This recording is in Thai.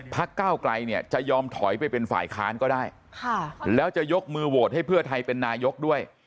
ก้าวไกลเนี่ยจะยอมถอยไปเป็นฝ่ายค้านก็ได้แล้วจะยกมือโหวตให้เพื่อไทยเป็นนายกด้วย